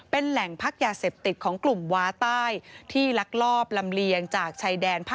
เป็นแหล่งพักยาเสพติดของกลุ่มว้าใต้ที่ลักลอบลำเลียงจากชายแดน